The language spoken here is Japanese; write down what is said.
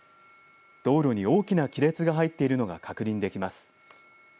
道路に大きな亀裂が入っているのが確認できます。